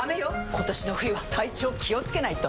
今年の冬は体調気をつけないと！